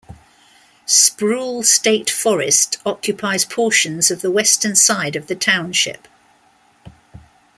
Sproul State Forest occupies portions of the western side of the township.